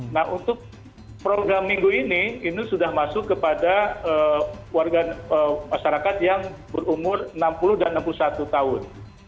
nah untuk program minggu ini ini sudah masuk kepada warga masyarakat yang berumur enam puluh dan enam puluh satu tahun